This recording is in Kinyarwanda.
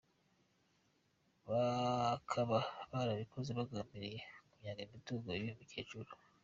Bakaba barabikoze bagambiriye kunyaga imitungo y’uyu mukecuru.